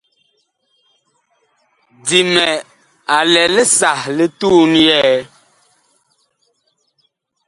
Dimɛ a lɛ li sah li tuun yɛɛ.